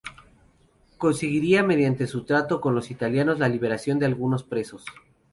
Conseguiría mediante su trato con los italianos la liberación de algunos presos.